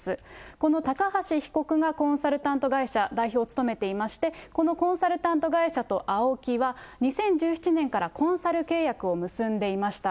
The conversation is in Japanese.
この高橋被告がコンサルタント会社代表を務めていまして、このコンサルタント会社とＡＯＫＩは、２０１７年からコンサル契約を結んでいました。